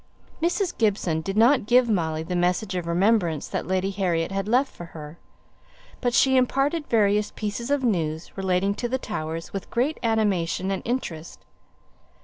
Mrs. Gibson did not give Molly the message of remembrance that Lady Harriet had left for her; but she imparted various pieces of news relating to the Towers with great animation and interest.